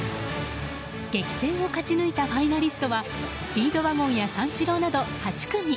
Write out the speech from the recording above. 激戦を勝ち抜いたファイナリストはスピードワゴンや三四郎など８組。